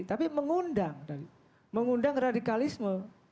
tapi mengundang mengundang radikalisme